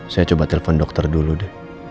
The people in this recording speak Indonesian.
saya coba telepon dokter dulu deh